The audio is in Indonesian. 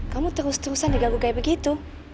kamu terus terusan diganggu kayak begitu